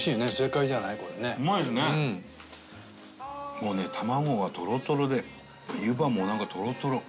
もうね卵がトロトロでゆばもなんかトロトロ。